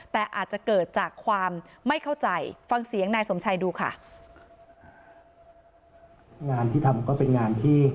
แต่อาจจะเกิดจากความไม่เข้าใจฟังเสียงนายสมชัยดูค่ะ